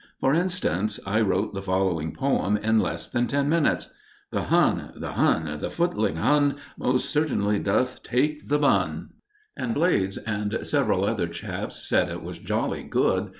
For instance, I wrote the following poem in less than ten minutes: The Hun, the Hun, the footling Hun, Most certainly doth take the bun. And Blades and several other chaps said it was jolly good.